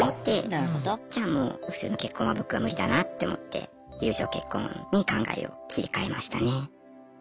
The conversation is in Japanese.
じゃあもう普通の結婚は僕は無理だなって思って友情結婚に考えを切り替えましたね。